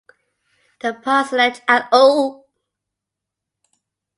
The Parsonage at ul.